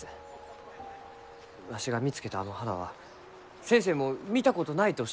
わしが見つけたあの花は先生も見たことないとおっしゃった。